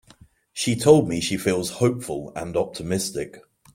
She told me she feels hopeful and optimistic.